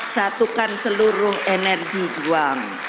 satukan seluruh energi jiwa